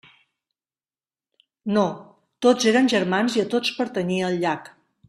No; tots eren germans i a tots pertanyia el llac.